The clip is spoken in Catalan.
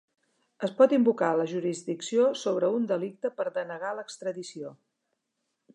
Es pot invocar la jurisdicció sobre un delicte per denegar l'extradició.